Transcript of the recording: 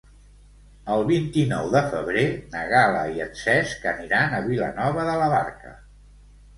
El vint-i-nou de febrer na Gal·la i en Cesc aniran a Vilanova de la Barca.